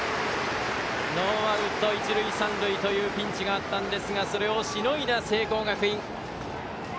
ノーアウト一塁三塁というピンチがあったんですがそれをしのいだ聖光学院。